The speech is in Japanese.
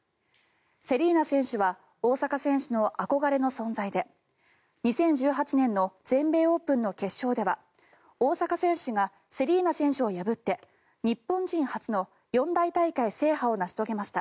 セリーナ選手は大坂選手の憧れの存在で２０１８年の全米オープンの決勝では大坂選手がセリーナ選手を破って日本人初の四大大会制覇を成し遂げました。